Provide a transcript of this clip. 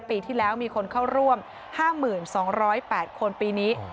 ปีที่แล้วมีคนเข้าร่วม๕๒๐๘คนปีนี้